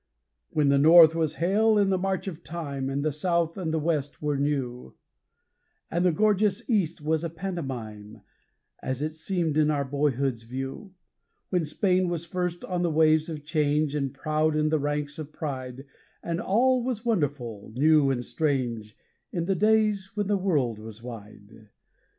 When the North was hale in the march of Time, and the South and the West were new, And the gorgeous East was a pantomime, as it seemed in our boyhood's view; When Spain was first on the waves of change, and proud in the ranks of pride, And all was wonderful, new and strange in the days when the world was wide.